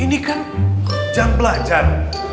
ini kan jam belajar